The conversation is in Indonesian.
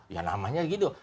ya namanya gitu